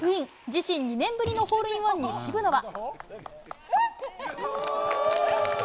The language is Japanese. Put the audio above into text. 自身２年ぶりのホールインワンに渋野は。